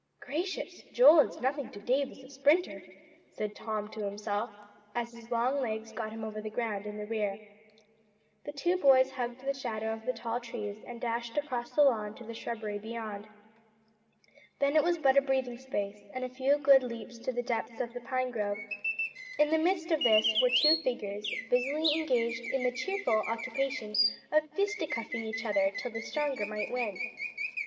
"Gracious! Joel is nothing to Dave as a sprinter," said Tom to himself, as his long legs got him over the ground in the rear. The two boys hugged the shadow of the tall trees and dashed across the lawn to the shrubbery beyond. Then it was but a breathing space, and a few good leaps to the depths of the pine grove. In the midst of this were two figures, busily engaged in the cheerful occupation of fisticuffing each other till the stronger might win.